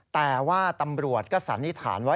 แต่ว่าตำรวจก็สันนิษฐานว่า